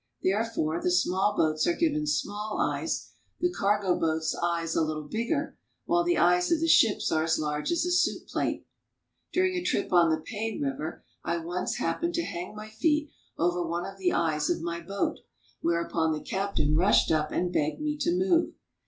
Therefore the small boats are given small eyes, the cargo boats, eyes a little bigger, while the eyes of the ships are as large as a soup plate. During a trip on the Pei River I once happened to hang my feet over one of the eyes of my boat, whereupon the captain rushed up and begged me to move.